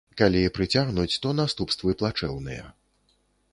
Калі прыцягнуць, то наступствы плачэўныя.